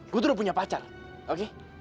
gue tuh udah punya pacar oke